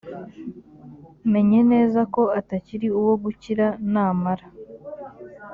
menye neza ko atakiri uwo gukira namara